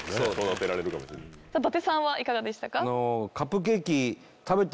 伊達さんはいかがでしたか？